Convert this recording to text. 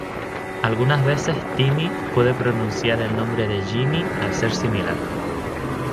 Algunas veces Timmy puede pronunciar el nombre de Jimmy al ser similar.